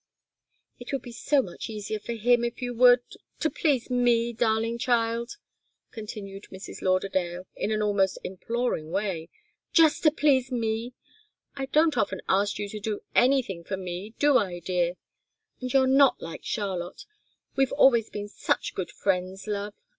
"It would be so much easier for him, if you would to please me, darling child," continued Mrs. Lauderdale, in an almost imploring way, "just to please me! I don't often ask you to do anything for me, do I, dear? And you're not like Charlotte we've always been such good friends, love.